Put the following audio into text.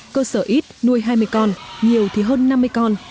cơ sở ít nuôi hai mươi con nhiều thì hơn năm mươi con